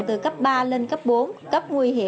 từ cấp ba lên cấp bốn